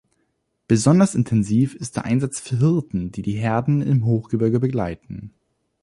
Besonders intensiv ist der Einsatz für Hirten, die die Herden im Hochgebirge begleiten.